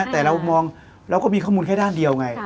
แต่เรามองเราก็มีข้อมูลแค่ด้านเดียวไง